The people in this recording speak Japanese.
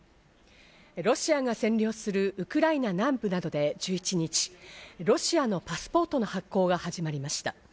ロシアが占領するウクライナ南部などで１１日、ロシアのパスポートの発行が始まりました。